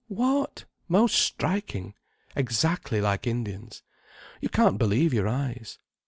What? Most striking. Exactly like Indians. You can't believe your eyes.